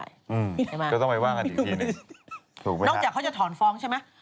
ใช่ไหมครับถูกไหมครับนอกจากเขาจะถอนฟ้องใช่ไหม